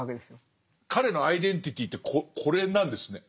彼のアイデンティティーってこれなんですね。